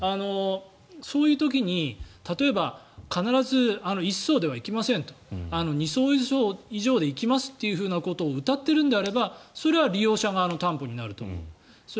そういう時に例えば必ず１艘では行きませんと２艘以上で行きますということをうたっているのであればそれは利用者側の担保になると思います。